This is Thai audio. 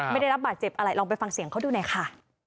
ไม่ได้รับบาดเจ็บอะไรลองไปฟังเสียงเขาดูหน่อยค่ะ